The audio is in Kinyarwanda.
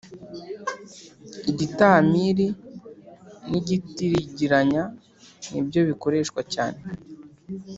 igitamili n ‘igitigirinya nibyo bikoreshwa cyane.